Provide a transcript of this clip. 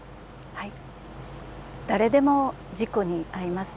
誰でも事故に遭います。